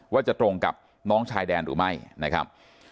ว่าจะตรงกับน้องชายแดนหรือไม่นะครับ